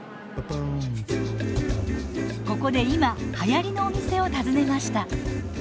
ここで今はやりのお店を訪ねました。